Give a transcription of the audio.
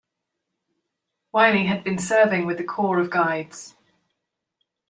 Wylly had been serving with the Corps of Guides.